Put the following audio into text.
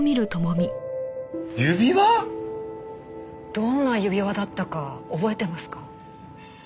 どんな指輪だったか覚えてますか？